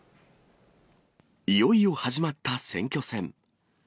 いよいよ始まった選挙戦。